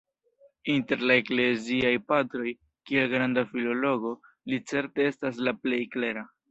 Inter la Ekleziaj Patroj, kiel granda filologo, li certe estas la plej klera.